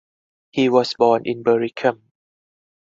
He was born in Berekum.